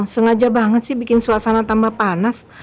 sengaja banget sih bikin suasana tambah panas